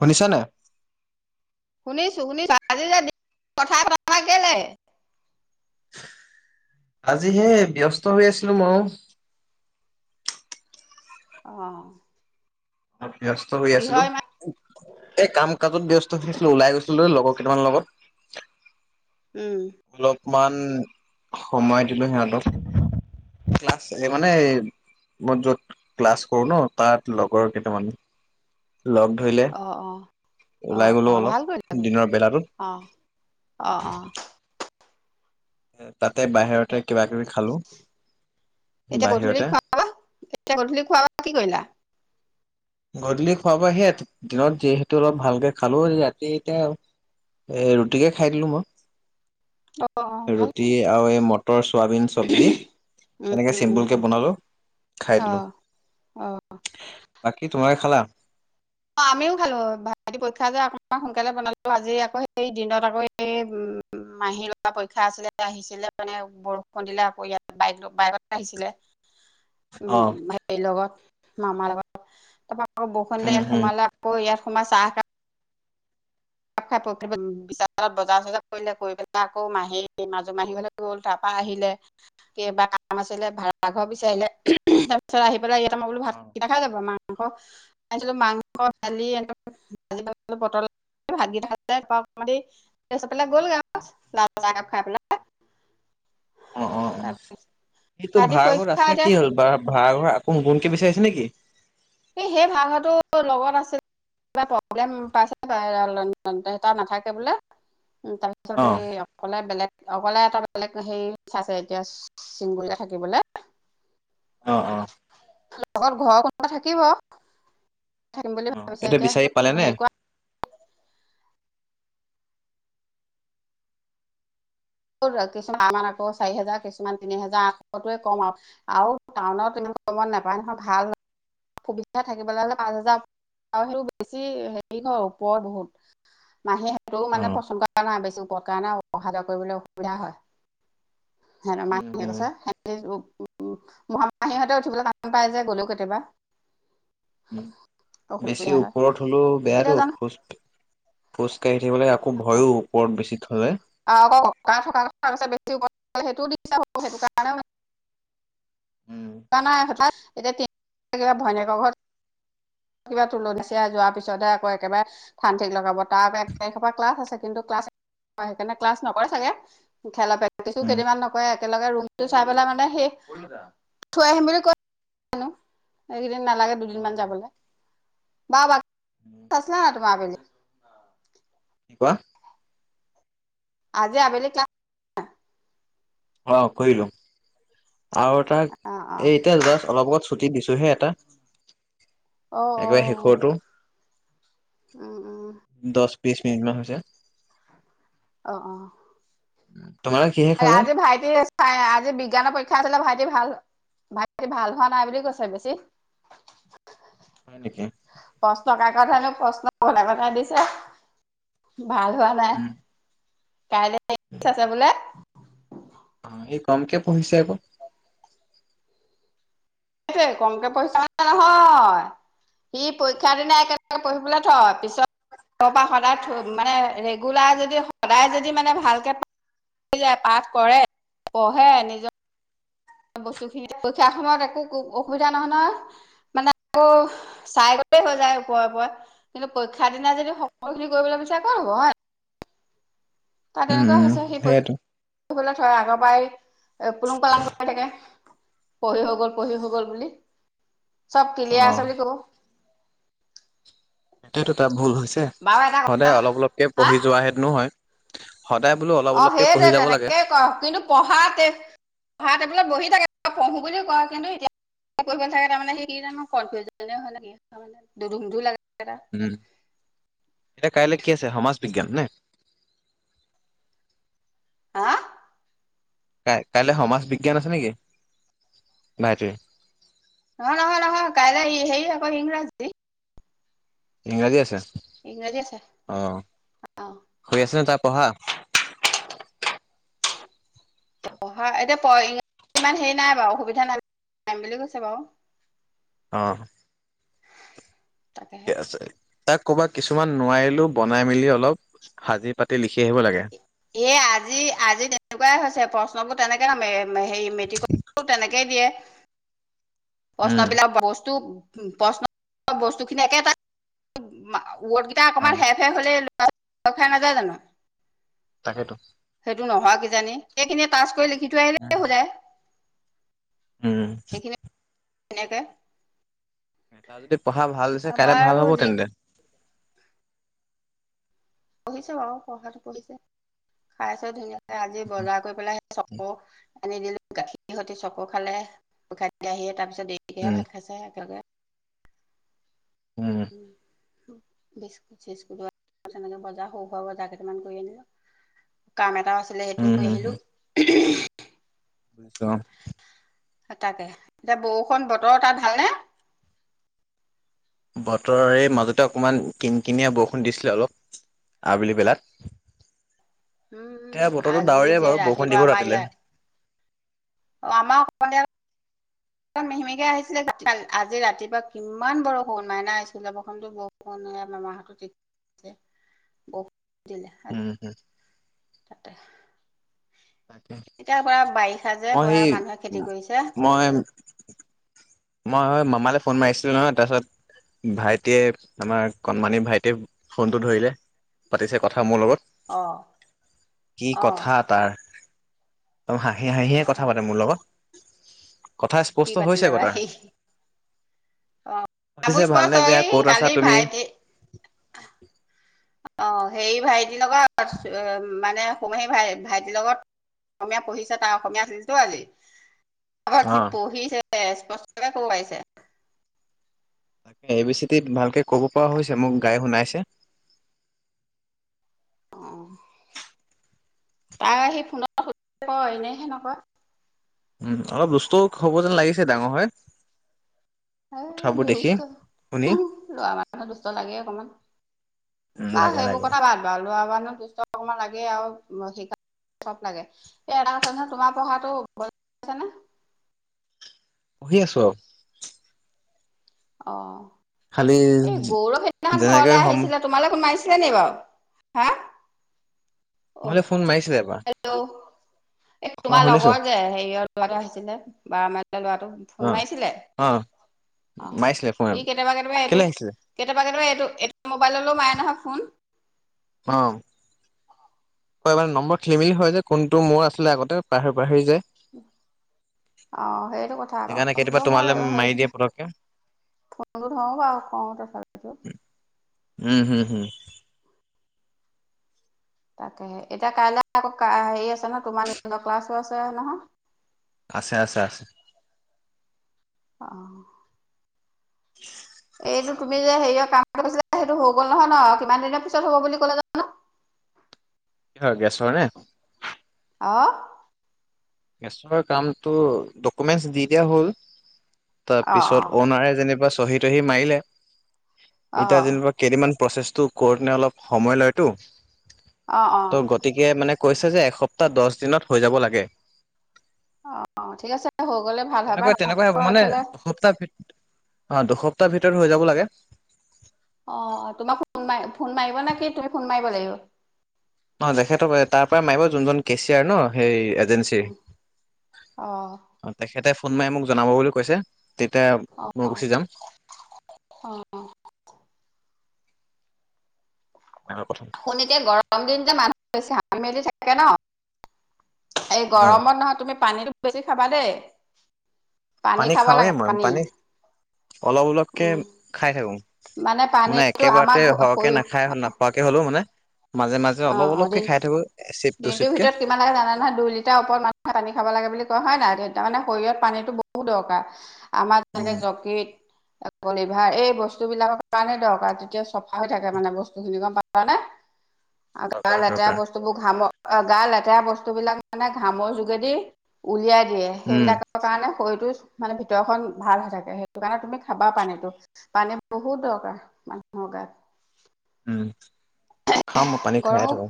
শুনিছা নাই? শুনিছোঁ, শুনিছোঁ। আজিযে [unintelligible] কথাই পতানাই কেলে? আজিহে ব্যস্ত হৈ আছিলোঁ মই। অ'। ব্যস্ত হৈ আছিলোঁ। এ কাম কাজত ব্যস্ত থাকিছিলো ওলাই গৈছিলো ও লগৰ কেইটামানৰ লগত। উম। অকমান সময় দিলো সিহঁতক ক্লাছ মানে, মই য'ত ক্লাছ কৰো ন', তাত লগৰ কেইটামান, লগ ধৰিলে অঁ অঁ ওলাই গলো অঁ অলপ দিনৰ বেলাটোত। অ', অ'। তাতে বাহিৰতে কিবা কিবি খালো। এতিয়া গধূলি বাহিৰতে খুৱাবোৱা, এতিয়া গধূলি খুৱাবোৱা কি কৰিলা? গধূলি খোৱাৰ পৰা সেই দিনত যিহেতু অলপ ভালকে খালো ৰাতি এতিয়া আৰু, এ ৰুটিকে খাই দিলো মই। অঁ অঁ ভাল ৰুটি আৰু এই মটৰ চোৱাবিন চব্জি। তেনেকে উম উম চিম্পুল কে উম বনালো খাই দিলো অঁ অঁ কি তোমাৰ খালা? অ' আমিও খালো ভাইটিৰ পৰীক্ষা যে অকমান সোনকালে বনালো আজি আকৌ সেই দিনত আকৌ এই উ মাহী লগোৱা পৰীক্ষা আছিলে আহিছিলে মানে বৰষুণ দিলে আকৌ ইয়াত বাইক বাইক আহিছিলে। [inaudible] উম হেৰিৰ লগত মামাৰ লগত তাপা আকৌ বৰষুণ উম দিলে ইয়াত উম সোমালে আকৌ ইয়াত। সোমাই চাহ একাপ। [unintelligible] খাই [unintelligible] বজাৰ চজাৰ কৰিলে কৰি পেলাই আকৌ মাহি মাজু মাহিৰ ঘলৈ গ'ল তা পৰা আ [unintelligible] আহিলে কিবা কাম আছিলে ভাড়াঘৰ বিচাৰিলে। ইয়াতে ম বোলো ভাত অ কেইটা খাই যাবা মা [unintelligible] মাংস আনিছিলো মাংস দালি [unintelligible] ভাজি পটল [unintelligible] অহ অহ, তাৰপিছত সিটো ৰাতি ভাড়াঘৰত পৰীক্ষা আছিলে এতিয়া কি হল বা ভা ভাৰাঘৰত কোন, গোনকি বিচাৰিছে নেকি? এহ সেই ভাড়াঘৰটো লগত আছিল কিবা প্ৰব্লেম পাইছে তাই, তাত নাথাকে বোলে। উ, তাৰ অ পিছতে এই অকলে বেলেগ অকলে এটা বেলেগ হেৰি চাইছে, এতিয়া চিংগুলকে থাকিবলে অহ অহ লগত ঘৰৰ কোনোবা থাকিব, থাকিম অ বুলি ভাবিছে এইটো এতিয়া, বিচাৰি পালে সিটো নে হেৰি কৰা কিছুমান আকৌ চাৰি হেজাৰ, কিছুমান তিনি হেজাৰ আঠশটোৱে কম আৰু আৰু টাউনত কমত নাপায় নহয়, ভাল সুবিধা থাকিবলৈ হলে পাঁচ হাজাৰ [unintelligible] সেই বেছি হেৰি ঘৰ ওপৰত বহুত মাহী সেইটেও অ মানে পচন্দ কৰা নাই, বেছি উপৰত কাৰনে অহাযোৱা কৰিবলৈ অসুবিধা হয়। [inaudible] হেইদিনা মাহীয়ে উম কৈছে [unintelligible] মহা-মাহীহঁতে উঠিবলৈ টান পাই যে গ'লেও কেতিয়াবা। উম [unintelligible] বেছি অসুবিধা হয় ওপৰত হ'লেও এতিয়া বেয়াটো জানো খোজ খোজ কাঢ়ি থাকিবলৈ আকৌ ভয়ো ওপৰত বেছি। থলে আৰু আকৌ ককা থকাৰ কথা কৈছে বেছি ওপৰত থ'লে, সেইটো দিগদাৰ হ'ব, সেইটো কাৰণেও উম থোৱা নাই এতিয়া কিবা ভৈনীয়েকৰ ঘৰত কিবা তুলনিছে যোৱাৰ পিছতহে আকৌ একেবাৰে ঠান ঠিক লগাব। তাৰ আকৌ এক তাৰিখৰ পৰা ক্লাছ আছে, কিন্তু ক্লাছ হয়, সেইকাৰণে ক্লাছ নকৰে চাগে খেলা প্ৰেক্টিচো উম কেইদিনান নকৰে। একেলগে ৰুমটো চাই পেলাই মানে সেই থৈ আহিম বুলি কৈছে। এইকেইদিন নালাগে অ দুদিন মান অ যাবলৈ। বা বা আছে তোমাৰ পিনে কি কোৱা? আজি আবেলি ক্লাছ অহ' কৰিলোঁ। আৰু এটাক অ অ এই এতিয়া জাষ্ট অলপ আগত ছুটি দিছোহে এটা অ' একেবাৰে অ' শেষৰটো অ' উম, উম। দহ বিশ মিনিটমান হৈছে। অহ' অ' তোমালোকে কিহে খালা আজি ভাইটিৰ চ আজি বিজ্ঞানৰ পৰীক্ষা আছিলে ভাইটি ভাল ভাইটি ভাল হোৱা নাই বুলি কৈছে বেছি। হয় নেকি। প্ৰশ্ন কাকত হেনো প্ৰশ্ন কন বনাই বনাই দিছে ভাল হোৱা নাই। উম কাইলৈ ইংলিছ আছে বোলে। অ সি কমকে পঢ়িছে আক। সেইটোৱে কমকে পঢ়ি [unintelligible] নহয়। সি পৰীক্ষাৰ দিনা একেলগে পঢ়িবলে থয় পিছত ত সদায় থৈ মানে ৰেগুলাৰ যদি সদায় যদি মানে ভালকে পা যে পাঠ কৰে পঢ়ে নিজ বস্তু খিনি পৰীক্ষা সময়ত একো অসুবিধা নহয় নহয় মানে আকৌ চাই গৈ হৈ যায় ওপৰে ওপৰে কিন্তু পৰীক্ষা দিনা যদি সকলোখিনি কৰিবলৈ বিচাৰা ক'ত হ'ব হয়। তা উম, তেনেকুৱা উম, হৈছে সি [unintelligible] সেইয়েতো। পঢ়িলে থয় আগৰ পৰাই এ পুলুং পালাং পাই থাকে, পঢ়ি হৈ গ'ল পঢ়ি হৈ গল বুলি। চব ক্লিয়াৰ অ' আছে বুলি ক'ব। সেইটোৱে তাৰ ভুল হৈছে বাৰু এটা কথা সদায় অলপ অলপকে হা পঢ়ি যোৱাহেতেনো হয়। সদায় বোলো অলপ অ অলপকে সেইটোৱে পঢ়ি যাব লাগে। তেনেকে ক কিন্তু পঢ়াতে পঢ়াতে বুলে বহি থাকে পঢ়ো বুলিও কয় কিন্তু এতিয়া পঢ়িব থাকে তাৰমানে সি কি জানো কনফিউজনে হয় না কিয়ে [unintelligible] দুধুম ধু লাগে। তাৰ উম, এতিয়া কাইলৈ কি আছে সমাজ বিজ্ঞান নে। হাহ। কাই কাইলৈ সমাজ বিজ্ঞান আছে নেকি না এইটোৱে। নহয় - নহয় - নহয় কাইলৈ হেই আক ইংৰাজী। ইংৰাজী আছে ইংৰাজী আছে অহ, অ শুই আছে ন তাত। পঢ়া পঢ়া এতিয়া প ইৰাজী ইমান হেৰি নাই বাৰু অসুবিধা নালাগে। নম বুলি কৈছে বওু অহ ', ঠিকে তাকেহে আছে। তাক ক'ৰবাত কিছুমান নোৱাৰিলেও বনাই মেলি অলপ সাজি পাতি লিখি আহিব লাগে। এ আজি - আজি তেনেকুৱাই হৈছে প্ৰশ্নবোৰ তেনেকে নামে হেৰি মেট্ৰিকৰ। তেনেকেই দিয়ে প্ৰশ্ন উম, বিলাক বস্তু। প্ৰশ্ন বস্তুখিনি একেটা ৱৰ্ড কেইটা অকণমান অ' শেষ - শেষ হ'লে। খাই নাযায় জানো তাকেতো। সেইটো নোহোৱা কিছু জানি এইখিনি তাজ কৰি লিখি থৈ আহিলে হৈ যায়। উম, তেনেকে এ তটা যদি পঢ়া ভাল দিছে কাইলৈ ভাল হ'ব যি তেন্তে। পঢ়িছে বাৰু পঢ়া - পঢ়িছে খাইছে ধুনীয়া। আজি বজাৰ কৰি পেলাই সেই চকু আনি দিলো গাখীৰ সতে চক খালে পোখা আহি তাৰপিছত দেৰিকেহে উম, ভাত খাইছে একেলগে। উম, বিস্কুট চিস্কুত তেনেকে বজাৰ সৰু সুৱা বজাৰ কেইটামান কৰি আনিলো। কাম এটাও আছিলে সেইটোও কৰি আহিলো। বুজিছো। তাকে এতিয়া বৰষুণ বতৰ তটা ভালনে? বতৰৰে মাজতে অকণমান কিন কিনীয়া বৰষুণ দিছিলে অলপ। আবেলি বেলাত। উম এতিয়া বতৰটো আজি ডাৱৰে যে বাৰু বৰষুণ ৰাতিপুৱা দিব আমাৰ ৰাতিলে। ইয়াত অ, আমাৰ ক দিয় মেহিমেকে আহিছিলেতি আজি ৰাতিপুৱা কিমান বৰষুণ মাইনা আহছিলে বৰষূণ - বৰষূণ। মামাহত ঠিকছে ব দিলে আজি। উম হম তাতে তাকে এতিয়া পুৰা বাৰিষা যে মই সেই পুৰা মানুহে খেতি কৰিছে। মই মই হয় মামালৈ ফোন মাৰিছিলো নহ তাৰপাছত ভাইটিয়ে আমাৰ কণমানি ভাইটিয়ে ফোনটো ধৰিলে পাতিছে কথা মোৰ লগত। অ কি অ কথা তাৰ। হাহি - হাহিয়ে কথা পাতে মোৰ লগত। কথা স্পষ্ট হৈছে আকৌ তাৰ। [inaudible] অ, সুধিছে কাবুজ পচ ভালনে বেয়া ক'ত আছা কালি তুমি ভাইটি। অ, সেই ভাইটিৰ লগত মানে অসম আহি ভাই - ভাইটিৰ লগত অসমীয়া পঢ়িছে তাৰ অসমীয়া আছিলতো আজি আাক অ যি পঢ়িছে স্পষ্টকে কব পাইছে। তাকে এই বি চিতিত ভালকে কব পৰা হৈছে মোক গাই শুনাইছে। অ', তাই সি ফোন সুধ কয় এনেহে নকয়। উম, অলপ দুষ্টও হ'ব যেন লাগিছে ডাঙৰ হয়। এ দুস্থ লৰা মাৰ দুস্থ লাগে অকমান। উম বা লাগে সেইবোৰ লাগে। কথা বাদ বা ল'ৰা মানুহ দুষ্ট অকমান লাগেই আৰু চব লাগে স এটা কথা নহয় তোমাৰ পঢ়াটো হৈছে নে? পঢ়ি আছো আৰু। অ', খালি এই গৌৰৱ সেইদিনাখন যেনেকে ঘৰলে সম আহিছিলে তোমালে ফোন মাৰিছিল নি বাৰু হা? অহ মোলে ফোন মাৰিছিলে এবাৰ হেল্ল' এই অ তোমাৰ শুনিছো লগৰ যে হেৰিয়ত ল'ৰাটো আহিছিলে বাৰ মাইল ল'ৰাটো অ ফোন মাৰিছিলে? অ অহ মাৰিছিলে ফোন কেতিয়াবা কেতিয়াবা কেলে এইটো আহিছিলে কেতিয়াবা কেতিয়াবা এইটো এইটো এটো মোবাইললৈও মায়ে নহয় ফোন। আহ। হয় মানে নম্বৰ খেলি মেলি হয় যে কোনটো মোৰ আচলতে আগতে পাহৰি পাহৰি যায়। আহ সেইটো কথা সেইকাৰণে আকল কেতিয়াবা মোৰ তোমালে হেৰি মাৰি দিয়ে নহয় পতককে ফোনটো থওঁ বাাৰু কওঁ তথাপি উম, হম, হম। তাকেহে এতিয়া কাইলে আকৌ হেৰি আছে ন তোমাৰ নি ক্লাছো আছে নহয়। আছে, আছে, আছে। আহ। এইটো তুমি যে হেৰিয় কাম ছিলে সেইটো হৈ গ'ল নহয় ন কিমান দিনৰ পিছত হ'ব বুলি ক'লে জানো। কি হয় গেছৰ নে? আহ গেছৰ কামটো ডকুমেন্টচ দি দিয়া হ'ল। অ অ তাৰপিছত অনাৰে যেনিবা চহী তহি মাৰিলে। এতিয়া অ যেনিবা কেইদিনমান প্ৰচেছটো কৰোতে অলপ কৰোঁতে সময় লয়তো। অ অ ত' গতিকে মানে কৈছে যে এসপ্তাহ দহ দিনত হৈ যাব লাগে। অ ঠিক আছে হৈ গ'লে ভাল হয় বা তেনেকুৱা নহ'লে তেনেকুৱাই হ'ব আকৌ মানে এইফালে সপ্তাহ ভিত অ', দুসপ্তাহ ভিতৰত হৈ যাব লাগে। অ', তোমাক ফোন মৰিব ফোন মাৰিব নে কি তুমি ফোন মাৰিব লাগিব? অ', তেখেতৰ তাৰ পৰা মাৰিব যোনজন কেচিয়াৰ ন সেই উম, অ জেনচিৰ তেখেতে ফোন মাৰি মোক জনাব বুলি কৈছে। তেতিয়া অ মই অ অ গুচি যাম। শুন এনেকুৱা কথা [unintelligible] এতিয়া গৰম দিন যে মানুহ বেছি হাম মেলি থাকে ন। এই অ গৰমত নহয় তুমি পানীত বেছি খাবা দেই। পানী খাব লাগে পানী। অলপ অলপকে উম, খাই থাকো। মানে পানীটো আমাৰ একেবাৰতে ঘ সৰহকে হৈ নাখাই নাখোৱাকে হ'লো মানে মাজে মাজে অলপ অ', অ', অলপকে দিন খাই থাকো। এচিপ দিনটোৰ দুচিপকে ভিতৰত কিমান লাগে জানে নহয় দুই লিটাৰ ওপৰত মানুহে পানী খাব লাগে বুলি কয় হয় নাই তাৰমানানে শৰীৰত পানীতো বহুত দৰকাৰ আমাৰ উম যেনেকে যকৃত লিভাৰ এই বস্তু বিলাকৰ কাৰণে দৰকাৰ তেতিয়া চফা হৈ থাকে মানে বস্তুখিনি গম পালা নে? [unintelligible] আৰু গা লেতেৰা দৰকাৰ বস্তুবোৰ ঘামত অ', গা লেতেৰা বস্তু বিলাক মানে ঘামৰ যোগেদি উলিয়াই দিয়ে উম সেইবিলাকৰ কাৰণে শৰীৰটোৰ মানে ভিতৰখন ভাল হৈ থাকে। সেইটো কাৰণে তুমি খাবা পানীতটো পানী বহুত দৰকাৰ মানুহৰ গাত। উম, খাম মই পানী খাই গৰমো থাকো।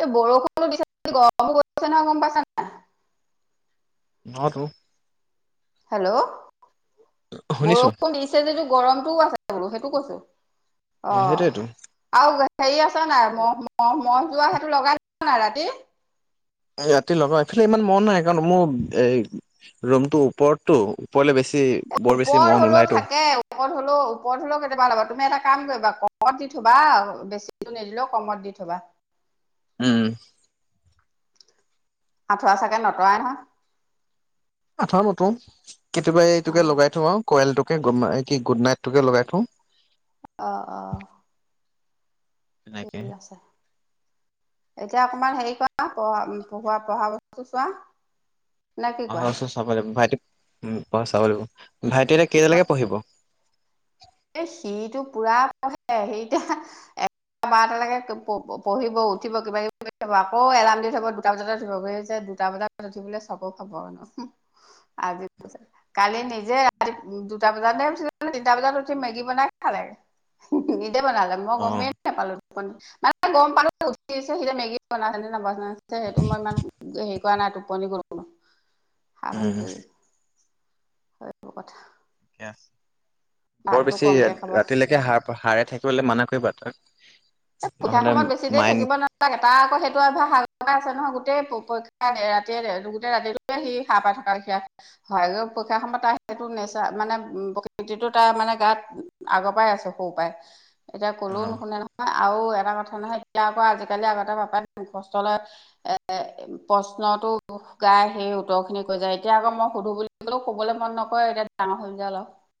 এই বৰষুণো দি গৰমো গছে নহয় গম পাইছা নাই? ন তো। হেল্ল' শুনিছো বৰষুণ দিছে য গৰমতটোও আছে বোলো সেইটো কৈছো। সেইটোয়েতো অ' আৰু গ হেৰি আছ নাই মহ, মহ, মহ যোৱা সেইটো লগাই নাই ৰাতি ৰাতি লগা এইফালে ইমান মন নাই কাৰণ মোৰ এই ৰুমটো ওপৰতটো ওপৰলে বেছি এ বৰ বেছি মহ ওপৰত হ'লেও নোলায়তো থাকে ওপৰত হলেও ওপৰত হলেও কেতিয়াবা ল'বা তুমি এটা টা কাম কৰিবা কমত দি থবা বেছি নিদিলেও কমত দি থবা উম। আঁঠুৱা চাগে নতৰাই নহয় আঠুৱা নতৰো কেতিয়াবা অ এইটোকে লগাই থো আৰু কয়লটোক গুড কি গুড নাইট কে লগাই থো। অ', অ',। তেনেকে ঠিক আছে। এতিয়া অকমান হেৰি কৰা পঢ়া পঢ়োৱা পঢ়া বস্তু চোৱা। নে কি আহ কোৱা চাব লাগিব ভাইটি় চাব লাগিব ভাইটি এতিয়া কেইজালৈকে পঢ়িব। এ সিতটো পুৰা পঢ়ে সেইতিয়া [unintelligible] বাৰটালৈকে পঢ়িব উঠিব কিবা কিবি থব আকৌ এলাৰ্ম দি থব দুটা বজতে উঠিব হৈছে দুটা বজাত উঠিবলৈ চাব খাব আৰু [unintelligible] আজি পি কালি নিজে ৰাতি দুটা বজাত তিনটা বজাত মেগী বনাই খাল লাগে নিজে বনালে মই গমেই নাপালো। মানে গম পালো উিছে সি যে মেগি বনাইছে ন সেইটো মই ইমান হেৰি কৰা নাই টোপনি গল। [inaudible] [unintelligible] [unintelligible] ঠিকে বৰ ভাতটো বেছি কমকে খাব ৰাতিলৈকে হ হাৰে থাকিবলৈ মানা কৰিবা তাক। এ পৰীক্ষা নহ'লে সময়ত বেছি দেৰি মাইণ্ড থাকিব নাক এটা আকৌ সেইটো আৰু অভ্যাস আগৰপাই আছে নহয়। গোট পৰীক্ষা ৰাতিয় গোটেই ৰাতিটো সি সাঁ পাই থকা নিচিনা হয় পৰীক্ষাৰ সময়ত আহ সেটো নেচাৰ মানে প্ৰকৃতিটো তাৰ মানে গাত আগৰ পৰাই আছে সৰু পৰাই এতিয়া কলো অ নুশুনে নহয় আৰু এটা কথা নহয় বি আকৌ আজিকালি আগতে [unintelligible] গাই সেই উত্তৰ খিনি কৈ যায় এতিয়া আকৌ মই সুধো বুলি কোলো কবলৈ মন নকৰে এতিয়া ডাঙৰ হৈম যায় অলপ